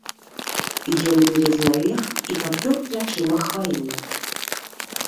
Ён вылез наверх і падпёр плячыма хваіну.